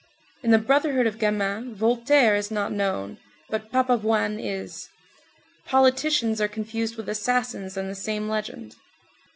In the brotherhood of gamins Voltaire is not known, but Papavoine is. "Politicians" are confused with assassins in the same legend.